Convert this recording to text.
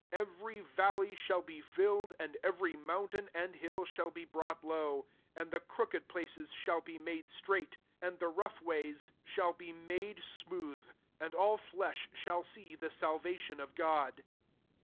5 Every val ley shall be filled, and every mountain and hill shall be brought low ; and the crooked places shall be made straight, and the rough ways shall be 110 LUKE III. made smooth : 6 and all flesh shall see the salvation of God.'